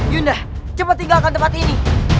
yunda cepat tinggalkan tempat ini